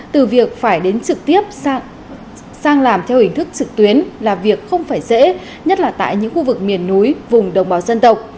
từ việc phải đến trực tiếp sang làm theo hình thức trực tuyến là việc không phải dễ nhất là tại những khu vực miền núi vùng đồng bào dân tộc